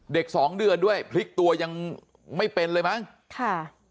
สองเดือนด้วยพลิกตัวยังไม่เป็นเลยมั้งค่ะ